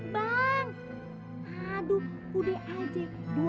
banyak amat bang